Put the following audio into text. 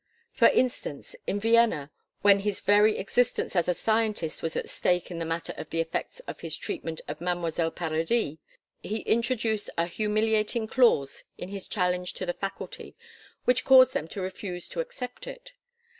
For instance, in Vienna, when his very existence as a scientist was at stake in the matter of the effects of his treatment of Mademoiselle Paradis, he introduced a humiliating clause in his challenge to the Faculty which caused them to refuse to accept it.